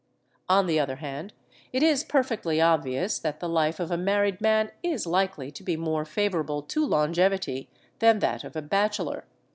On the other hand, it is perfectly obvious that the life of a married man is likely to be more favourable to longevity than that of a bachelor.